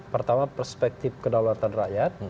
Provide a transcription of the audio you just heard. pertama perspektif kedaulatan rakyat